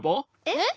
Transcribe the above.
えっ？